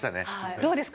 どうですか？